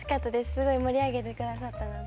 すごい盛り上げてくださったので。